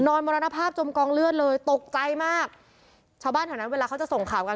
มรณภาพจมกองเลือดเลยตกใจมากชาวบ้านแถวนั้นเวลาเขาจะส่งข่าวกัน